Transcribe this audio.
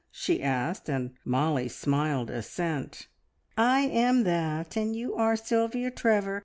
she asked, and Mollie smiled assent. "I am that, and you are Sylvia Trevor.